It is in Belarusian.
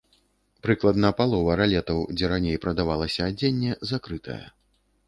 Прыкладна палова ралетаў, дзе раней прадавалася адзенне, закрытая.